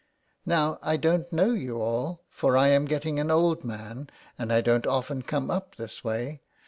Now, I don't know you all, for I am getting an old man, and I don't often come up this way.